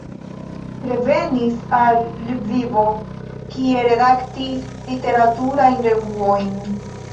Revenis al Lvivo, kie redaktis literaturajn revuojn.